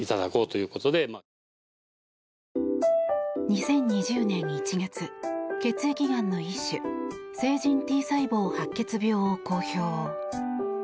２０２０年１月血液がんの一種成人Ｔ細胞白血病を公表。